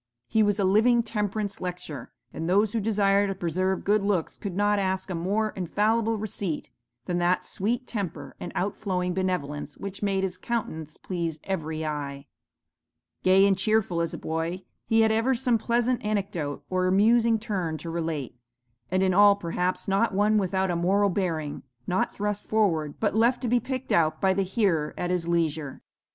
He was a living temperance lecture, and those who desire to preserve good looks could not ask a more infallible receipt, than that sweet temper and out flowing benevolence which made his countenance please every eye. Gay and cheerful as a boy, he had ever some pleasant anecdote or amusing turn to relate, and in all perhaps not one without a moral bearing, not thrust forward, but left to be picked out by the hearer at his leisure.